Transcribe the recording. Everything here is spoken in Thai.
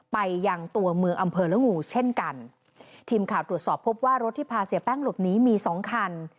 ไปยังตัวเมืองอำเภอละงูเช่นกันทีมข่าวตรวจสอบพบว่ารถที่พาเสียแป้งหลบหนีมีสองคัน